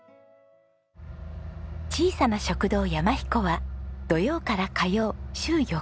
小さな食堂山ひこは土曜から火曜週４日の営業。